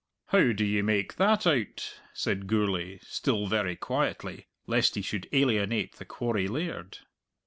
"How do ye make that out?" said Gourlay, still very quietly, lest he should alienate the quarry laird.